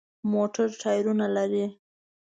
موټر ټایرونه لري.